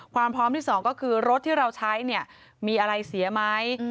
ความพร้อมที่สองก็คือรถที่เราใช้เนี่ยมีอะไรเสียไหม